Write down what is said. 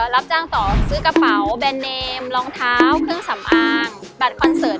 รับจ้างต่อซื้อกระเป๋าแบรนดเนมรองเท้าเครื่องสำอางบัตรคอนเสิร์ต